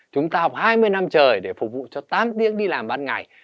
chúng ta học hai mươi năm trời để phục vụ cho tám tiếng đi làm ban ngày